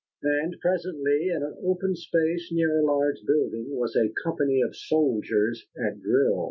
And presently, in an open space near a large building, was a company of soldiers at drill.